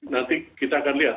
nanti kita akan lihat